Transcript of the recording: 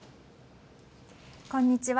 こんにちは。